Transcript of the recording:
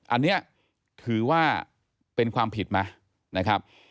อันนี้ถือว่าเป็นความผิดมานะครับ